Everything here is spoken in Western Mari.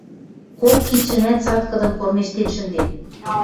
Кок кидшӹмӓт цаткыдын кормежтен шӹнден.